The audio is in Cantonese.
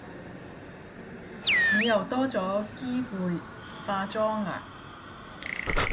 你又多咗機會化妝喇